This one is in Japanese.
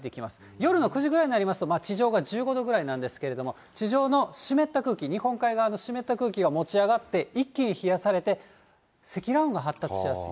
夜の９時ごろになりますと、地上が１５度ぐらいなんですけど、地上の湿った空気、日本海側の湿った空気が持ち上がって、一気に冷やされて、積乱雲が発達しやすい。